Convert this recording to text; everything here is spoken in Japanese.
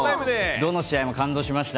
どの試合も感動しました。